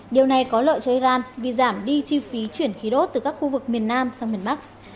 điều này có lợi cho iran vì giảm đi chi phí chuyển khí đốt từ các khu vực miền nam sang miền bắc